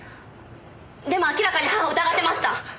でも明らかに母を疑ってました！